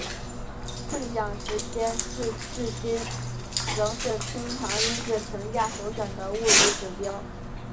混响时间至今仍是厅堂音质评价首选的物理指标。